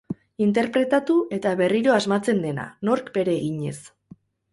Interpretatu eta berriro asmatzen dena, nork bere eginez.